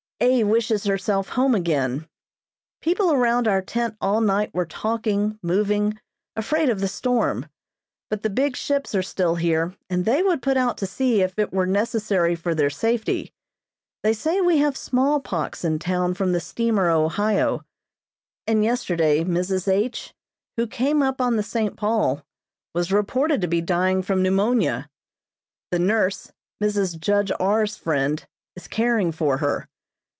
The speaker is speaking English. A. wishes herself home again. People around our tent all night were talking, moving, afraid of the storm, but the big ships are still here and they would put out to sea if it were necessary for their safety. They say we have smallpox in town from the steamer 'Ohio,' and yesterday Mrs. H., who came up on the 'St. Paul,' was reported to be dying from pneumonia. The nurse, Mrs. Judge R.'s friend, is caring for her.